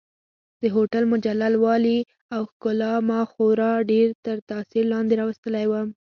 د هوټل مجلل والي او ښکلا ما خورا ډېر تر تاثیر لاندې راوستلی وم.